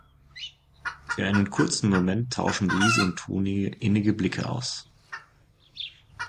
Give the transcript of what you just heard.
Für einen kurzen Moment tauschen Luise und Toni innige Blicke aus.